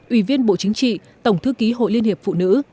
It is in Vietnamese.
ủy viên bộ chính trị tổng thư ký hội liên hiệp phụ nữ